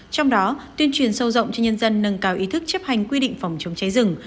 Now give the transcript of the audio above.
trong đó tuyên truyền sâu rộng cho nhân dân nâng cao ý thức chấp hành quy định phòng chống cháy rừng